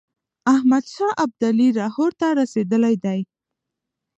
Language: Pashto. احمدشاه ابدالي لاهور ته رسېدلی دی.